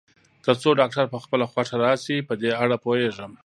تر څو ډاکټر په خپله خوښه راشي، په دې اړه پوهېږم.